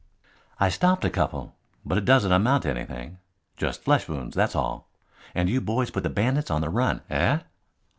"I stopped a couple, but it doesn't amount to anything. Just flesh wounds, that's all. And you boys put the bandits on the run, eh?"